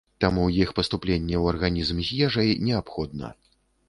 Таму іх паступленне ў арганізм з ежай неабходна.